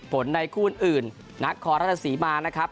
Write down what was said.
ในคู่อื่นนครราชสีมานะครับ